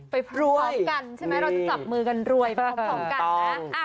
พร้อมกันใช่ไหมเราจะจับมือกันรวยพร้อมกันนะ